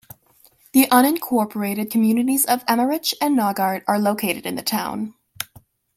The unincorporated communities of Emmerich and Naugart are located in the town.